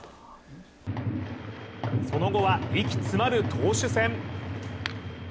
その後は息詰まる投手戦。